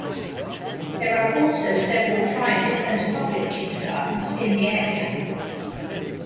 There are also several private and public kindergartens in the area.